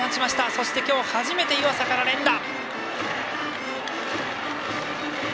そして今日初めて湯浅から連打。